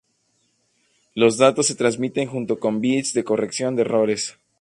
Los datos se transmiten junto con los bits de corrección de errores.